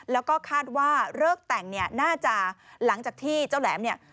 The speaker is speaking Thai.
แล้วก็คาดว่าเลิกแต่งเนี่ยน่าจะหลังจากที่เจ้าแหลมเนี่ย